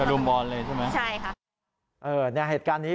กระดุมบอลเลยใช่ไหมใช่ค่ะเออในเหตุการณ์นี้